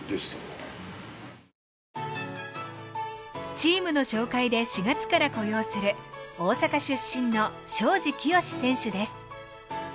チームの紹介で４月から雇用する大阪出身の庄司清志選手です。